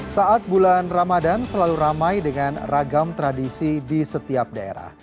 saat bulan ramadan selalu ramai dengan ragam tradisi di setiap daerah